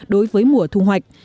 đối với mùa thu hoạch